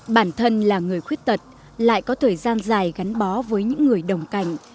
bản thân là người khuyết tật lại có thời gian dài gắn bó với những người đồng cảnh